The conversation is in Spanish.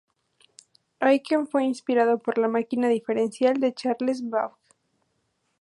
Aiken fue inspirado por la Máquina Diferencial de Charles Babbage.